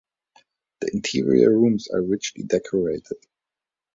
The interior rooms are richly decorated.